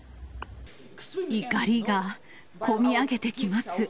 怒りが込み上げてきます。